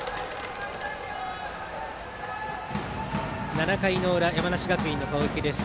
７回の裏、山梨学院の攻撃です。